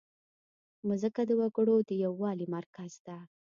مځکه د وګړو د یووالي مرکز ده.